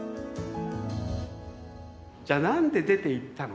じゃなんで出ていったのか。